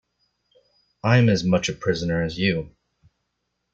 I'm as much a prisoner as you.